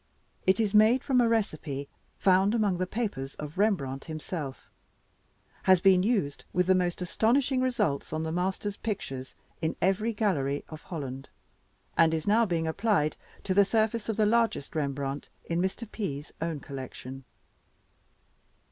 It is made from a recipe found among the papers of Rembrandt himself has been used with the most astonishing results on the Master's pictures in every gallery of Holland, and is now being applied to the surface of the largest Rembrandt in Mr. P.'s own collection.